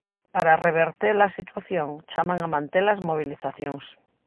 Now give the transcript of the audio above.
Para reverter a situación chaman a manter as mobilizacións.